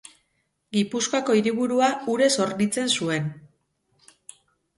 Gipuzkoako hiriburua urez hornitzen zuen.